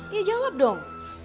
iya jawab dong